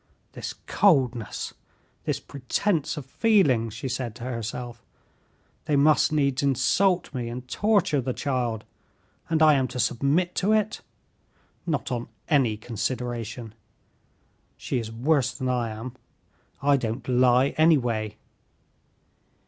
"This coldness—this pretense of feeling!" she said to herself. "They must needs insult me and torture the child, and I am to submit to it! Not on any consideration! She is worse than I am. I don't lie, anyway."